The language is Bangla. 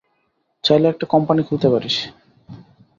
চাইলে একটা কোম্পানি খুলতে পারিস।